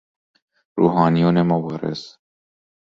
روحانیون مبارز